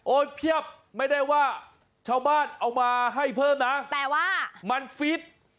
เพียบไม่ได้ว่าชาวบ้านเอามาให้เพิ่มนะแต่ว่ามันฟิต